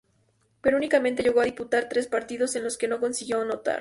Pero únicamente llegó a disputar tres partidos, en los que no consiguió anotar.